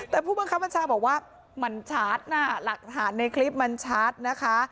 แต่ผู้บังคับบัญชาบอกว่ามันชัดน่ะหลักฐานในคลิปมันชัดนะคะ